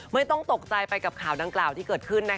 ไม่ต้องตกใจไปกับข่าวดังกล่าวที่เกิดขึ้น